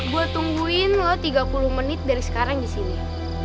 gue tungguin lo tiga puluh menit dari sekarang di sini